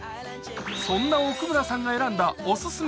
そんな奥村さんが選んだオススメ